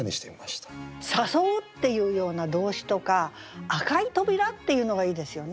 「誘う」っていうような動詞とか「赤い扉」っていうのがいいですよね。